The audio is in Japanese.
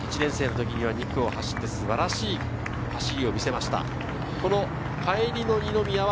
１年生の時には２区を走り、素晴らしい走りを見せました。